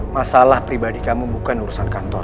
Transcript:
masalah pribadi kamu bukan urusan kantor